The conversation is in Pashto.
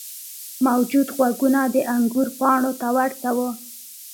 موجود غوږونه د انګور پاڼو ته ورته وو.